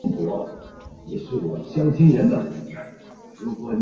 摩尔斯布里奇是位于美国阿拉巴马州塔斯卡卢萨县的一个非建制地区。